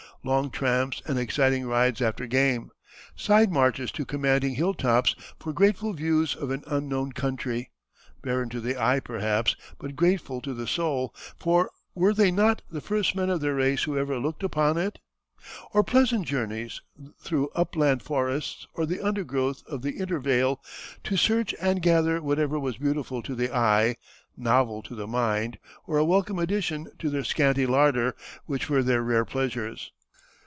Long tramps and exciting rides after game, side marches to commanding hill tops for grateful views of an unknown country barren to the eye, perhaps, but grateful to the soul, for were they not the first men of their race who ever looked upon it? or pleasant journeys through upland forests or the undergrowth of the intervale, to search and gather whatever was beautiful to the eye, novel to the mind, or a welcome addition to their scanty larder; such were their rare pleasures.